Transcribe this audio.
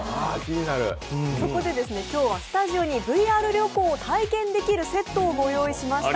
今日はスタジオにＶＲ旅行を体験できるセットをご用意しました。